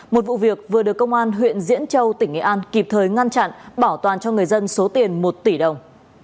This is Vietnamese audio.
một vụ việc vừa được công an huyện diễn châu tỉnh nghệ an kịp thời ngăn chặn bảo toàn cho người dân số tiền một tỷ đồng